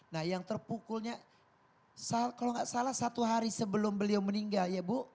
nah yang terpukulnya kalau nggak salah satu hari sebelum beliau meninggal ya bu